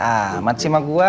amat sih sama gua